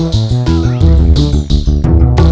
jangan pak dia orang jahat